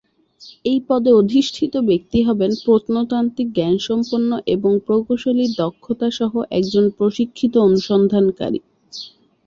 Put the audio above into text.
এই পদে অধিষ্ঠিত ব্যক্তি হবেন প্রত্নতাত্ত্বিক জ্ঞানসম্পন্ন এবং প্রকৌশলীর দক্ষতাসহ একজন প্রশিক্ষিত অনুসন্ধানকারী।